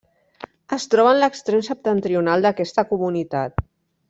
Es troba en l'extrem septentrional d'aquesta comunitat.